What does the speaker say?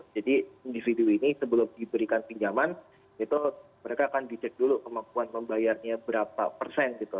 individu ini sebelum diberikan pinjaman itu mereka akan dicek dulu kemampuan membayarnya berapa persen gitu